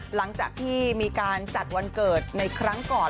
หลังจากที่มีการจัดวันเกิดในครั้งก่อน